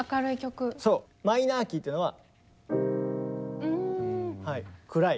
マイナー・キーというのは暗い。